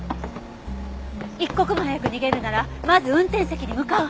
一刻も早く逃げるならまず運転席に向かうはず。